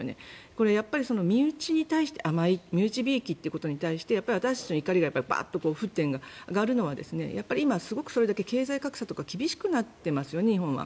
これやっぱり身内に対して甘い身内びいきに対して私たちの怒りがバーっと沸点が上がるのは今、それだけ経済格差が厳しくなっていますよね日本は。